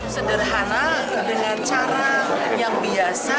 sederhana dengan cara yang biasa